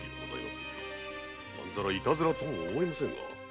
まんざら「いたずら」とも思えませんが。